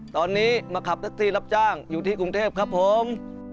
ตอนนี้มาขับแท็กซี่รับจ้างอยู่ที่กรุงเทพครับผม